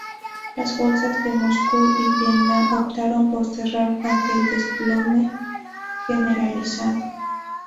Las bolsas de Moscú y Viena optaron por cerrar, ante el desplome generalizado.